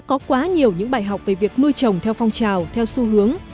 đã có quá nhiều những bài học về việc nuôi chồng theo phong trào theo xu hướng